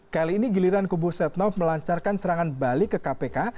kali ini giliran kubu setnov melancarkan serangan balik ke kpk